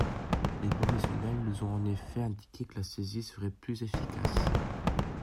Les professionnels nous ont en effet indiqué que la saisie serait plus efficace.